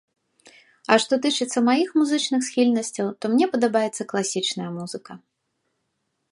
А што тычыцца маіх музычных схільнасцяў, то мне падабаецца класічная музыка.